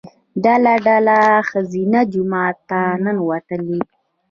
ډله ډله ښځینه جومات ته ننوتل.